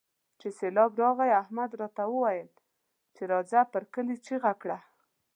چې سېبلاب راغی؛ احمد راته وويل چې راځه پر کلي چيغه کړه.